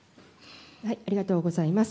ありがとうございます。